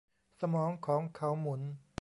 สมองของเขาหมุน